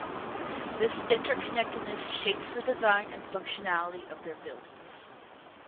This interconnectedness shapes the design and functionality of their buildings.